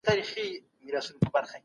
سالم ذهن بریالیتوب نه کموي.